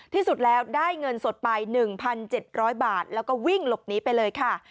ที่สุดแล้วได้เงินสดไป๑๗๐๐บาทแล้วก็วิ่งหลบหนีไปเลยค่ะ